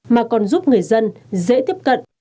mà còn giúp người dân dễ tiếp cận